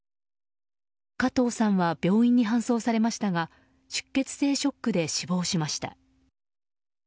加藤さんは病院に搬送されましたが出血性ショックで死亡しました。